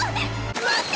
待って！